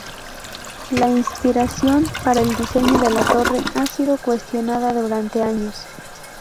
La inspiración para el diseño de la torre ha sido cuestionada durante años.